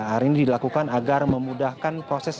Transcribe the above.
hari ini dilakukan agar memudahkan proses